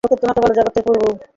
লোকে তোমাকে বলে জগতের প্রভু।